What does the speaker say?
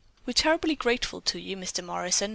"We're terribly grateful to you, Mr. Morrison."